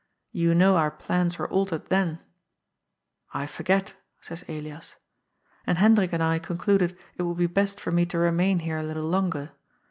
You know our plans were altered then "—(" I forget," says Elias) —" and Hendrik and I concluded it would be best for me to remain here a little longer.